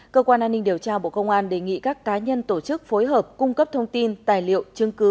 cơ quan an ninh điều tra bộ công an đề nghị các cá nhân tổ chức phối hợp cung cấp thông tin tài liệu chứng cứ